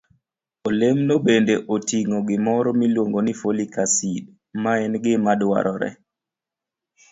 Olembno bende oting'o gimoro miluongo ni folic acid, ma en gima dwarore